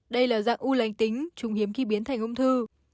đây là dạng u lành tính trùng hiếm khi biến thành ung thư